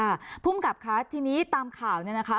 ภูมิกับค่ะทีนี้ตามข่าวเนี่ยนะคะ